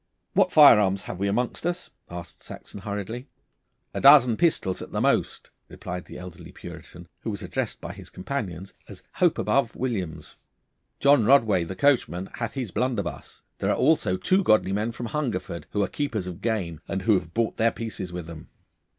'What firearms have we amongst us?' asked Saxon hurriedly. 'A dozen pistols at the most,' replied the elderly Puritan, who was addressed by his companions as Hope above Williams. 'John Rodway, the coachman, hath his blunderbuss. There are also two godly men from Hungerford, who are keepers of game, and who have brought their pieces with them.